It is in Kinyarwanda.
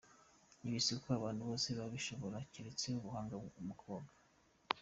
Ibi si ko abantu bose babishobora, keretse umuhanga mu koga.